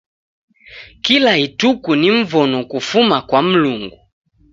Kila ituku ni mvono kufuma kwa Mlungu.